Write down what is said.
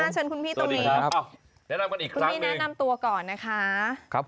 ชั้นนึงหน้านำตัวก่อนนะคะ